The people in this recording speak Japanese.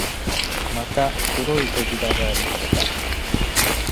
また黒い扉がありました